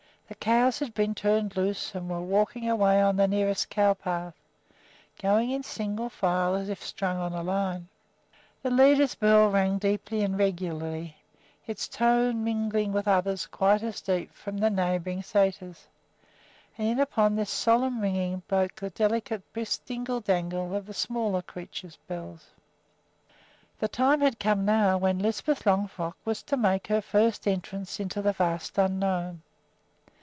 The cows had been turned loose and were walking away on the nearest cow path, going in single file as if strung on a line. The leader's bell rang deeply and regularly, its tone mingling with others quite as deep from the neighboring sæters; and in upon this solemn ringing broke the delicate, brisk dingle dangle of the smaller creatures' bells. The time had now come when Lisbeth Longfrock was to make her first entrance into the vast unknown.